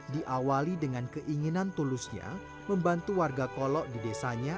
diawali dengan keinginan tulusnya membantu warga kolo di desa